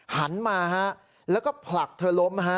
หันมาฮะแล้วก็ผลักเธอล้มฮะ